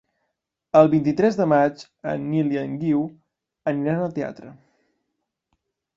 El vint-i-tres de maig en Nil i en Guiu aniran al teatre.